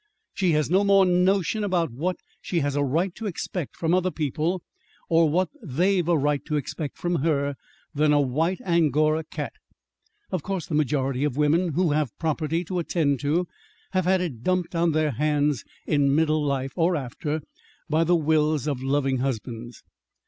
"She has no more notion about what she has a right to expect from other people, or what they've a right to expect from her, than a white Angora cat. Of course, the majority of women who have property to attend to have had it dumped on their hands in middle life, or after, by the wills of loving husbands.